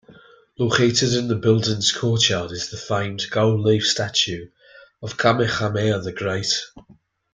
Located in the building's courtyard is the famed gold-leaf statue of Kamehameha the Great.